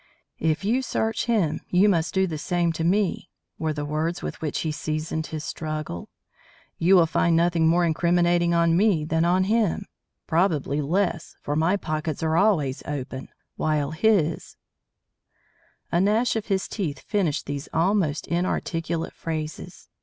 "If you search him, you must do the same to me," were the words with which he seasoned this struggle. "You will find nothing more incriminating on me than on him; probably less, for my pockets are always open while his " A gnash of his teeth finished these almost inarticulate phrases.